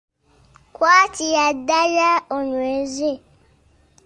Kwatira ddala onyweze